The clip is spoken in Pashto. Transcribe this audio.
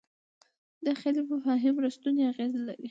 دا خیالي مفاهیم رښتونی اغېز لري.